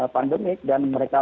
pandemik dan mereka